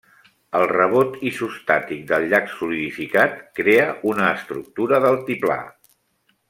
El rebot isostàtic del llac solidificat crea una estructura d'altiplà.